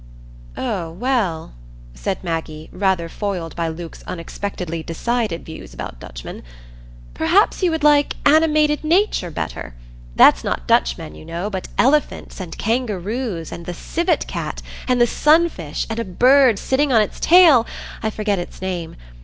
"Oh, well," said Maggie, rather foiled by Luke's unexpectedly decided views about Dutchmen, "perhaps you would like 'Animated Nature' better; that's not Dutchmen, you know, but elephants and kangaroos, and the civet cat, and the sunfish, and a bird sitting on its tail,—I forget its name.